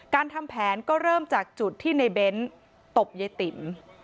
ทำแผนก็เริ่มจากจุดที่ในเบ้นตบยายติ๋ม